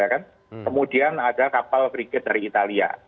kemudian ada kapal frigate dari italia